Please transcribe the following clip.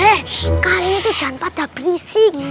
eh kali ini tuh jangan pada berisik